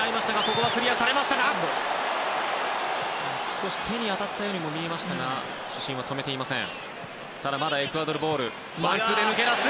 少し手に当たったようにも見えましたが主審は止めていません。